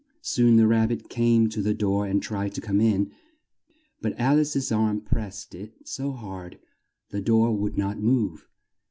Soon the Rab bit came to the door and tried to come in, but Al ice's arm pressed it so hard the door would not move.